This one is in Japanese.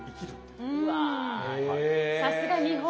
うわさすが日本。